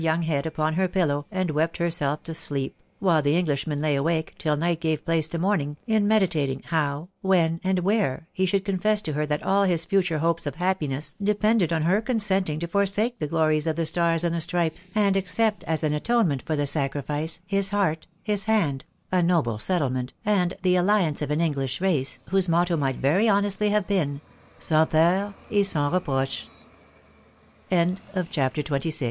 195 young head upon her pillow and wept herself to sleep, while the Englishman lay awake, till night gave place to morning, in medi tating how, when, and where, he should confess to her that all his future hopes of happiness depended on her consenting to forsake the glories of the Stars and the Stripes, and accept as an atone ment for the sacrifice, his heart, his hand, a noble settlement, and the alliance of an ancient English race, whose motto might very